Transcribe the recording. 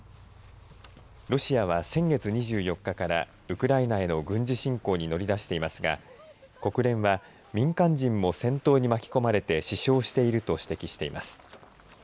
ロシアは先月２４日からウクライナへの軍事侵攻に乗り出していますが国連は民間人も戦闘に巻き込まれて死傷していると指摘しています。